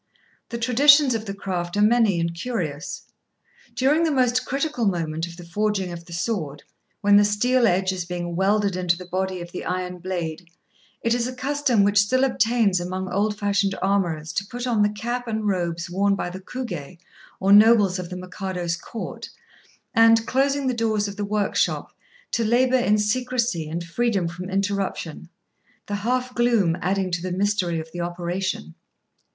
The traditions of the craft are many and curious. During the most critical moment of the forging of the sword, when the steel edge is being welded into the body of the iron blade, it is a custom which still obtains among old fashioned armourers to put on the cap and robes worn by the Kugé, or nobles of the Mikado's court, and, closing the doors of the workshop, to labour in secrecy and freedom from interruption, the half gloom adding to the mystery of the operation.